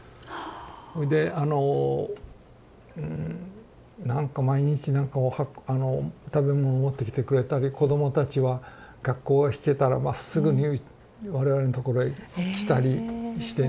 それであのなんか毎日なんかあの食べ物持ってきてくれたり子どもたちは学校が引けたらまっすぐに我々のところへ来たりしてね。